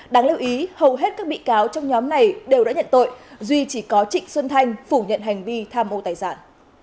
đáng lưu ý hầu hết các bị cáo trong nhóm này đều đã nhận tội duy chỉ có trịnh xuân thanh phủ nhận hành vi tham ô tài sản